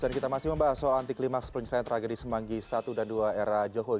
dan kita masih membahas soal anti klimat splint sign tragedi semanggi i dan ii era jokowi